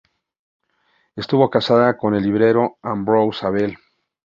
Estuvo casada con el librero Ambrosius Abel.